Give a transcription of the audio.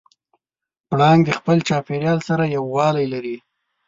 پړانګ د خپل چاپېریال سره یووالی لري.